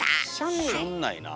しょんないな？